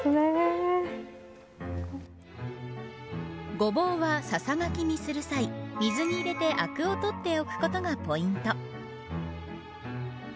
ゴボウは、ささがきにする際水に入れてあくを取っておくことがポイント。